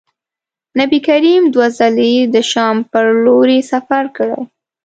نبي کریم دوه ځلي د شام پر لوري سفر کړی.